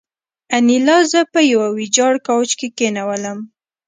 انیلا زه په یوه ویجاړ کوچ کې کېنولم